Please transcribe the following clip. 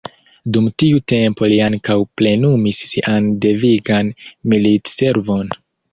Dum tiu tempo li ankaŭ plenumis sian devigan militservon.